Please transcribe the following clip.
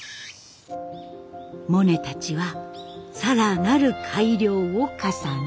モネたちは更なる改良を重ね。